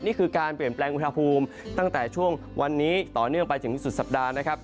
นี่คือการเปลี่ยนแปลงอุณหภูมิตั้งแต่ช่วงวันนี้ต่อเนื่องไปถึงสุดสัปดาห์นะครับ